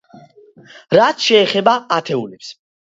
რაც შეეხება ათეულებს.